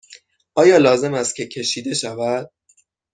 آیا لازم است که کشیده شود؟